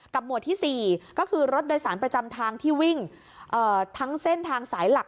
หมวดที่๔ก็คือรถโดยสารประจำทางที่วิ่งทั้งเส้นทางสายหลัก